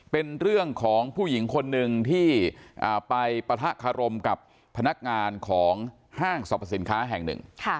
เป็นเรื่องของผู้หญิงคนหนึ่งที่ไปปะทะคารมกับพนักงานของห้างสรรพสินค้าแห่งหนึ่ง